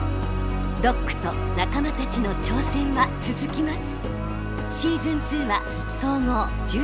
ドックと仲間たちの挑戦は続きます！